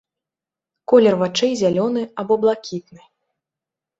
Колер вачэй зялёны або блакітны.